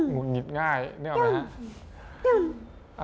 ุดหงิดง่ายนึกออกไหมครับ